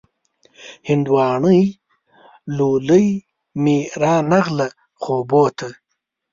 هندواڼۍ لولۍ مې را نغله خوبو ته